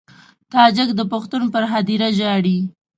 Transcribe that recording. تاجک د پښتون پر هدیره ژاړي.